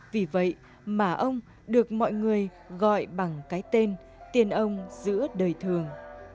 vì vậy mà ông được mọi người gọi bằng cái tên tiền ông giữa đời thường